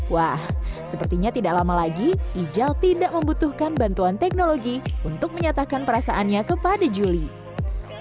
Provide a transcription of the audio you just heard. wah sepertinya tidak lama lagi ijal tidak membutuhkan bantuan teknologi untuk menyatakan perasaannya kepada julie